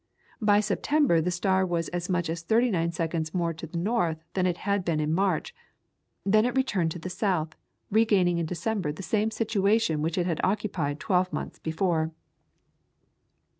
By September the star was as much as thirty nine seconds more to the north than it had been in March, then it returned towards the south, regaining in December the same situation which it had occupied twelve months before.